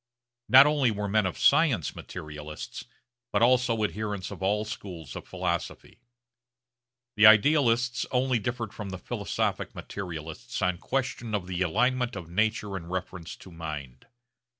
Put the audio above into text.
Not only were men of science materialists, but also adherents of all schools of philosophy. The idealists only differed from the philosophic materialists on question of the alignment of nature in reference to mind.